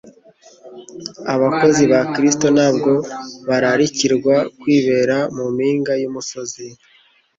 Abakozi ba Kristo ntabwo bararikirwa kwibera mu mpinga y'umusozi